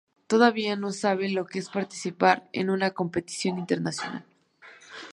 Todavía no sabe lo que es participar en una competición internacional.